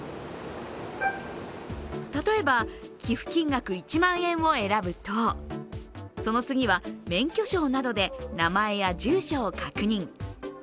例えば寄付金額１万円を選ぶとその次は免許証などで名前や住所を確認。